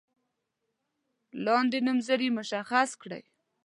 لاندې نومځري مشخص کړئ.